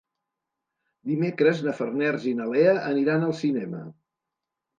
Dimecres na Farners i na Lea aniran al cinema.